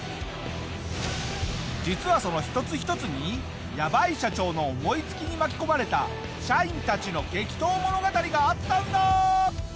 実はその一つ一つにヤバい社長の思いつきに巻き込まれた社員たちの激闘物語があったんだ！